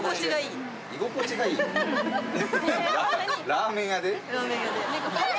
ラーメン屋で。